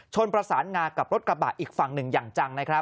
ประสานงากับรถกระบะอีกฝั่งหนึ่งอย่างจังนะครับ